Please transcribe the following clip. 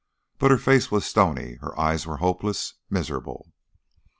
But her face was stony, her eyes were hopeless, miserable.